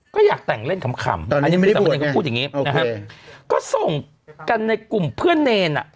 ก็อยากแต่งเล่นขำตอนนี้ไม่ได้บวชเนี่ยก็ส่งกันในกลุ่มเพื่อนเนร